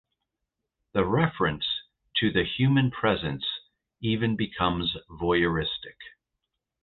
The reference to the human presence even becomes voyeuristic.